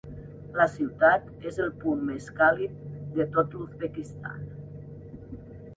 La ciutat és el punt més càlid de tot l'Uzbekistan.